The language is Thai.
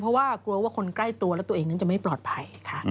เพราะถ้าเป็นคนใกล้ตัวแล้วตัวเองนั้นจะไม่ปลอดภัย